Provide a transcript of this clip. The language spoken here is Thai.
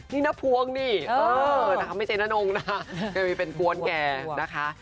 นี่นับภวงนี่ไม่ใช่น้ำนงนะคะก็ไม่เป็นกวนแกนะคะ